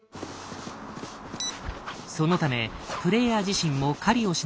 そのためプレイヤー自身も狩りをしなければならない。